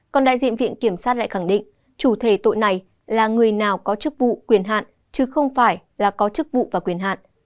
còn đại diện viện kiểm sát lại khẳng định chủ thể tội này là người nào có chức vụ quyền hạn chứ không phải là có chức vụ và quyền hạn